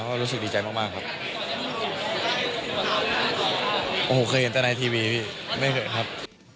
ก็รู้สึกดีใจมากมากครับโอ้โหเคยเห็นแต่ในทีวีพี่ไม่เห็นครับ